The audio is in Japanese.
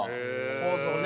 構造ね。